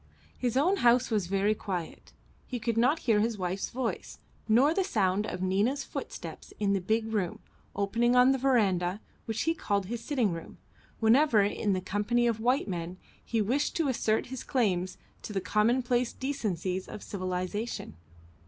His own house was very quiet; he could not hear his wife's voice, nor the sound of Nina's footsteps in the big room, opening on the verandah, which he called his sitting room, whenever, in the company of white men, he wished to assert his claims to the commonplace decencies of civilisation.